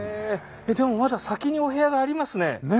でもまだ先にお部屋がありますね。